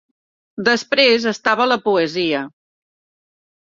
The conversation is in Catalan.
Després estava la poesia.